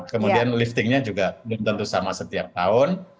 kemudian liftingnya juga belum tentu sama setiap tahun